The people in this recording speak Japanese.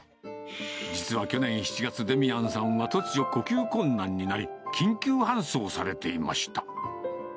実は去年７月、デミアンさんは突如、呼吸困難になり、緊急搬送されていました。